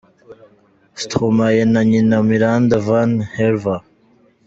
Stromae na nyina Miranda van Harver.